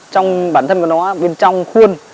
trong bản thân của nó bên trong khuôn